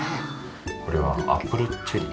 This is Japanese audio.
これはアップルチェリー。